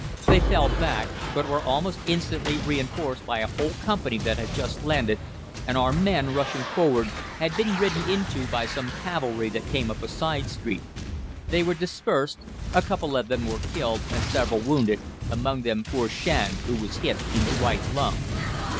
They fell back, but were almost instantly reinforced by a whole company that had just landed, and our men, rushing forward, had been ridden into by some cavalry that came up a side street. They were dispersed, a couple of them were killed, and several wounded, among them poor Shand, who was hit in the right lung.